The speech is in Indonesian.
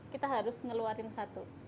kita harus ngeluarin satu